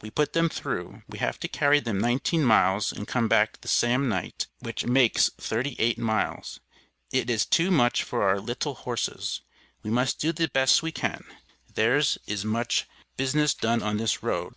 We put them throug, we hav to carry them 19 mils and cum back the sam night wich maks 38 mils. It is tou much for our littel horses. We must do the bes we can, ther is much Bisness dun on this Road.